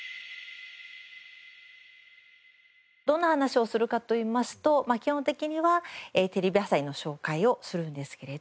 どんな話をするかといいますと基本的にはテレビ朝日の紹介をするんですけれど。